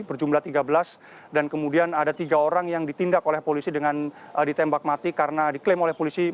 berjumlah tiga belas dan kemudian ada tiga orang yang ditindak oleh polisi dengan ditembak mati karena diklaim oleh polisi